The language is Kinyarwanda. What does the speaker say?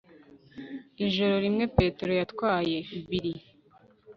ijoro rimwe peter yatwaye bill o'reilly berserk